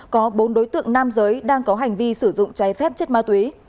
có bốn đối tượng nam giới đang có hành vi sử dụng trái phép chất ma túy